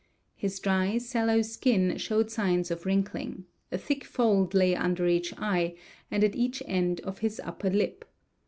His dry, sallow skin showed signs of wrinkling; a thick fold lay under each eye, and at each end of his upper lip.